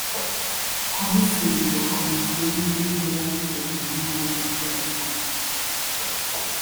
Komiseri wa Komisiyo y’Igihugu y’amatora mu Ntara y’Amajyaruguru